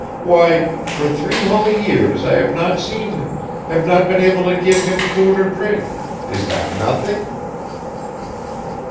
Why, for three whole years I have not seen him, have not been able to give him food or drink is that nothing?"